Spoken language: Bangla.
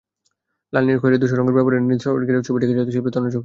লাল, নীল, খয়েরি, ধূসর রঙের ব্যবহারে নিসর্গের ছবিটি এঁকেছেন শিল্পী তন্ময় চক্রবর্তী।